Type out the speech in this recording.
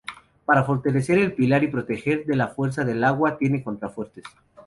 Para fortalecer el pilar y proteger de la fuerza del agua, tiene contrafuertes.